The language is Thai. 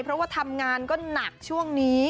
เพราะว่าทำงานก็หนักช่วงนี้